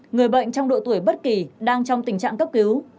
người bệnh trong độ tuổi bất kỳ đang trong tình trạng cấp cứu